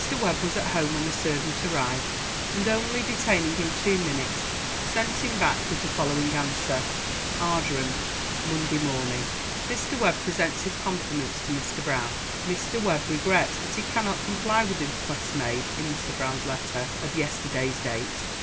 Webb was at home when the servant arrived, and, only detaining him two minutes, sent him back with the following answer: Ardrum, Monday Morning. Mr. Webb presents his compliments to Mr. Brown. Mr. Webb regrets that he cannot comply with the request made in Mr. Brown's letter of yesterday's date.